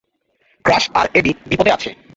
Crash আর Eddie বিপদে আছে।